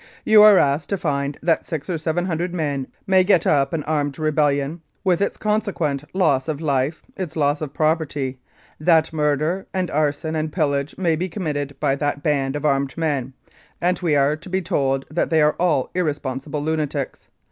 You are asked to find that six or seven hundred men may get up an armed rebellion, with its consequent loss of life, its loss of property ; that murder and arson and pillage may be committed by that band of armed men, and we are to be told that they are all irresponsible lunatics.